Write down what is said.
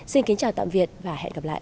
xin kính chào tạm biệt và hẹn gặp lại